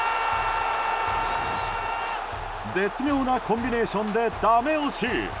絶妙なコンビネーションでダメ押し！